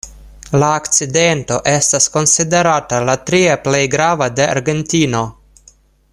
La akcidento estas konsiderata la tria plej grava de Argentino.